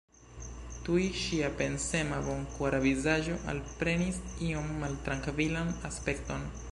Tuj ŝia pensema, bonkora vizaĝo alprenis iom maltrankvilan aspekton.